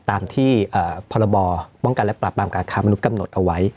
ตามที่พบประปราบการค้ามนุษย์กำหนดเอาไว้